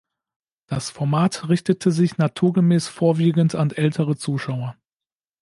Das Format richtete sich naturgemäß vorwiegend an ältere Zuschauer.